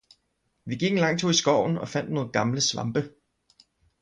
Vi gik en lang tur i skoven og fandt nogle gamle svampe.